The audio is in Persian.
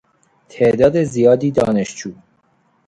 تعداد زیادی دانشجو